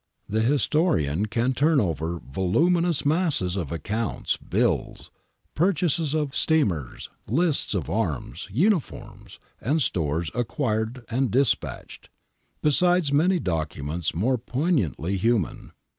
The historian can turn over voluminous masses of accounts, bills, purchases of steamers, lists of arms, uniforms, and stores acquired and despatched, besides many documents more poignantly human.